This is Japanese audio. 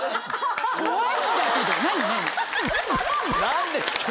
何ですか？